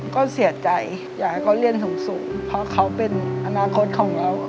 ก็เสียใจอยากให้เขาเรียนสูงเพราะเขาเป็นอนาคตของเรา